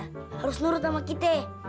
harus nurut sama kita